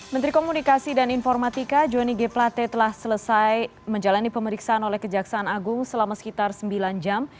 menteri komunikasi dan informatika johnny g plate telah selesai menjalani pemeriksaan oleh kejaksaan agung selama sekitar sembilan jam